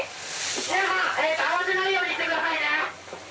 皆さん、慌てないようにしてくださいね。